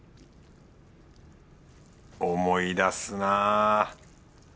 思い出すなぁ。